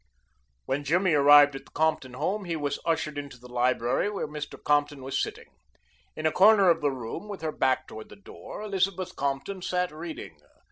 When Jimmy arrived at the Compton home he was ushered into the library where Mr. Compton was sitting. In a corner of the room, with her back toward the door, Elizabeth Compton sat reading.